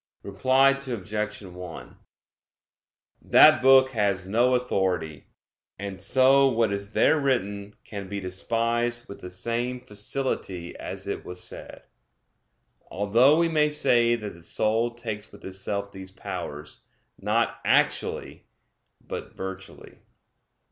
Reply Obj. 1: That book has no authority, and so what is there written can be despised with the same facility as it was said; although we may say that the soul takes with itself these powers, not actually but virtually.